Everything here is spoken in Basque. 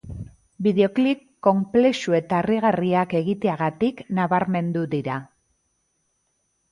Bideoklip konplexu eta harrigarriak egiteagatik nabarmendu dira.